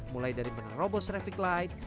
mulai dari menang robos traffic light